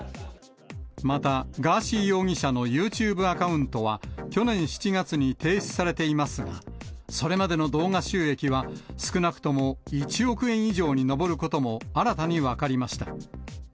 また、ガーシー容疑者のユーチューブアカウントは、去年７月に停止されていますが、それまでの動画収益は、少なくとも１億円以上に上ることも新たに分かりました。